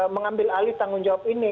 mengambil alih tanggung jawab ini